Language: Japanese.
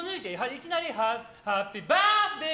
いきなりハッピバースデー！